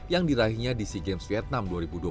yang diraihnya di sea games vietnam dua ribu dua puluh